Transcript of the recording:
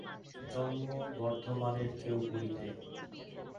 জন্ম বর্ধমানের কেউবুড়ীতে।